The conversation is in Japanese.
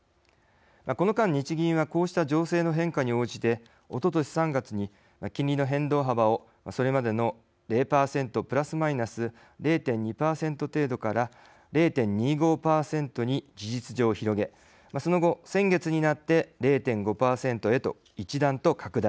この間、日銀はこうした情勢の変化に応じておととし３月に、金利の変動幅をそれまでの０％プラスマイナス０．２％程度から０．２５％に事実上広げその後、先月になって０．５％へと一段と拡大。